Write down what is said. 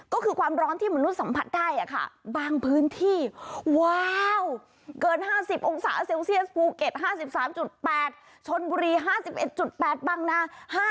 ก็คือความร้อนที่มนุษย์สัมผัสได้ค่ะบางพื้นที่ว้าวเกิน๕๐องศาเซลเซียสภูเก็ต๕๓๘ชนบุรี๕๑๘บางนา